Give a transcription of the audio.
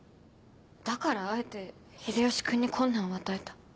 だからあえて秀吉君に困難を与えた。